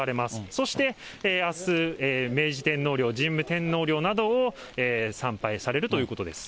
そして、あす、明治天皇陵、神武天皇陵などを参拝されるということです。